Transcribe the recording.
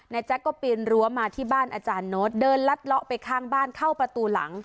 แจ๊กก็ปีนรั้วมาที่บ้านอาจารย์โน้ตเดินลัดเลาะไปข้างบ้านเข้าประตูหลัง